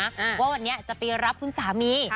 ว่าวันนี้จะไปรับคุณสามี